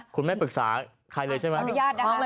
คุณไม่ปรึกษาใครเลยใช่ไหม